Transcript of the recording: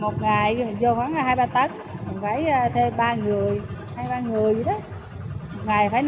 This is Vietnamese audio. một ngày mình vô khoảng hai ba tấn mình phải thê ba người hai ba người vậy đó